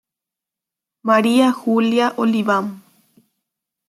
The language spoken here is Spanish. María Julia Oliván.